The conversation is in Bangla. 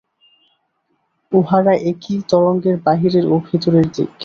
উহারা একই তরঙ্গের বাহিরের ও ভিতরের দিক্।